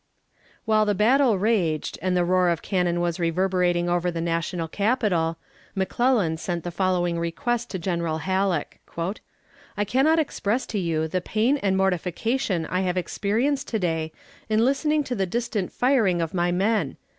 While the battle raged, and the roar of cannon was reverberating over the National Capital, McClellan sent the following request to General Halleck: "I cannot express to you the pain and mortification I have experienced to day, in listening to the distant firing of my men.